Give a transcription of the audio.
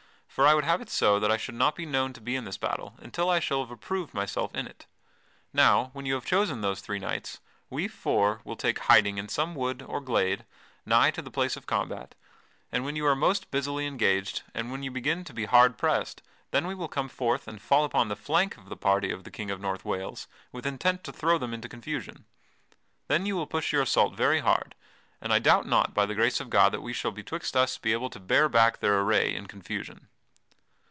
For I would have it so that I should not be known to be in this battle until I shall have approved myself in it. Now, when you have chosen those three knights, we four will take hiding in some wood or glade nigh to the place of combat, and when you are most busily engaged, and when you begin to be hard pressed, then we will come forth and fall upon the flank of the party of the King of North Wales with intent to throw them into confusion. Then you will push your assault very hard, and I doubt not by the grace of God that we shall betwixt us be able to bear back their array in confusion."